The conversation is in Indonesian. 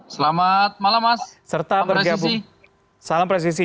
selamat malam mas